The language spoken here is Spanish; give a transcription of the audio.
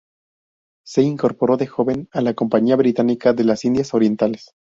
Se incorporó de joven a la Compañía Británica de las Indias Orientales.